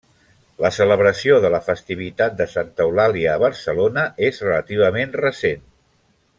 La celebració de la festivitat de Santa Eulàlia a Barcelona és relativament recent.